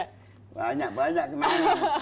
iya banyak banyak kenangan